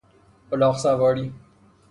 الاغ سواری